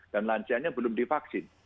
dan lansianya belum divaksin